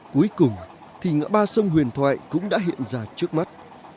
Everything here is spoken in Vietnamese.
cuối cùng thì ngã ba sông huyền thoại cũng đã hiện ra trước mắt